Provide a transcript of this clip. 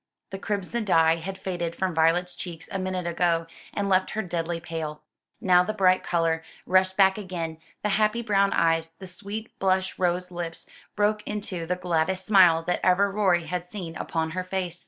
The crimson dye had faded from Violet's cheeks a minute ago and left her deadly pale. Now the bright colour rushed back again, the happy brown eyes, the sweet blush rose lips, broke into the gladdest smile that ever Rorie had seen upon her face.